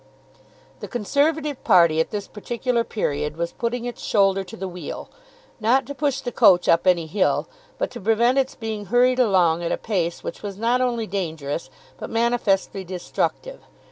The Conservative party at this particular period was putting its shoulder to the wheel, not to push the coach up any hill, but to prevent its being hurried along at a pace which was not only dangerous, but manifestly destructive.